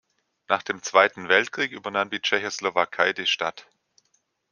Nach dem Zweiten Weltkrieg übernahm die Tschechoslowakei die Stadt.